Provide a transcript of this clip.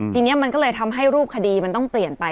ทีนี้มันก็เลยทำให้รูปคดีมันต้องเปลี่ยนไป